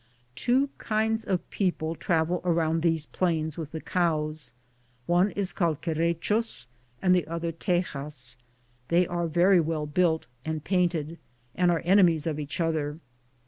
Two kinds of people travel around these plains with the cows ; one is called Quere chos and the others Teyas ; they are very well built, and painted, and are enemies of each other.